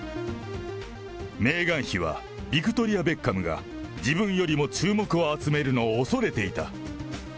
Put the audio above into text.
メーガン妃は、ビクトリア・ベッカムが自分よりも注目を集めるのを恐れていた。